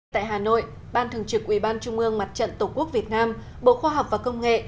tại hà nội ban thường trực ủy ban trung ương mặt trận tổ quốc việt nam bộ khoa học và công nghệ